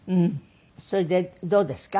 それでどうですか？